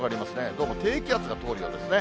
どうも低気圧が通るようですね。